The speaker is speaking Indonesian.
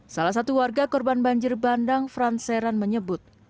salah satu warga korban banjir bandang fran seran menyebut